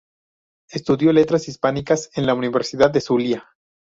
Estudió Letras Hispánicas en la Universidad del Zulia.